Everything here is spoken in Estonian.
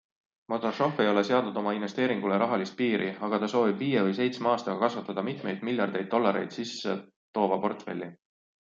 Mordašov ei ole seadnud oma investeeringule rahalist piiri, aga ta soovib viie või seitsme aastaga kasvatada mitmeid miljardeid dollareid sisse toova portfelli.